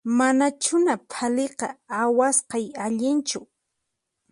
Manachuna phalika awasqay allinchu